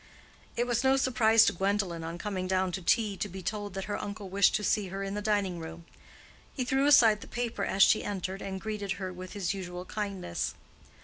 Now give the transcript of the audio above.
It was no surprise to Gwendolen on coming down to tea to be told that her uncle wished to see her in the dining room. He threw aside the paper as she entered and greeted her with his usual kindness.